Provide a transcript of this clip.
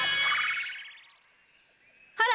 ほら！